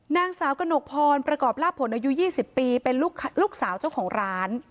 นางสาวกระหนกพรประกอบลาบผลอายุ๒๐ปีเป็นลูกสาวเจ้าของร้าน